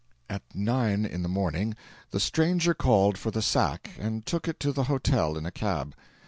At nine in the morning the stranger called for the sack and took it to the hotel in a cab.